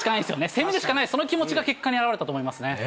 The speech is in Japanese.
攻めるしかない、その気持ちが結果に表れたと思いますね。